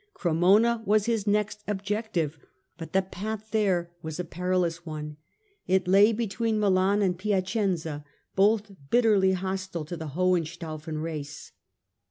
Cremona was his next objective but the path there was a perilous one ; it lay between Milan and Piacenza, both bitterly hostile to the Hohenstaufen race.